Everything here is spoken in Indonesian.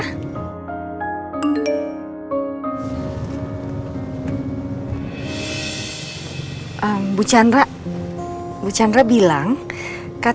bu chandra bilang katanya bu chandra sama pak chandra mau ke rumah sakit sama keisha